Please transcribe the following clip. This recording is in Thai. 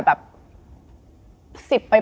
๑๐ปลาย